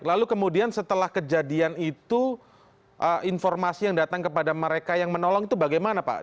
lalu kemudian setelah kejadian itu informasi yang datang kepada mereka yang menolong itu bagaimana pak